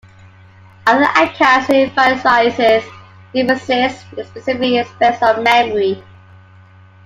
Other accounts emphasise deficits in specific aspects of memory.